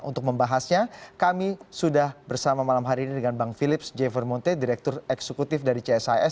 untuk membahasnya kami sudah bersama malam hari ini dengan bang philips jevor monte direktur eksekutif dari csis